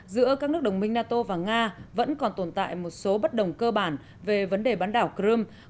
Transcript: giữa các nước đồng minh nato và nga vẫn còn tồn tại một số bất đồng cơ bản về vấn đề bán đảo crimea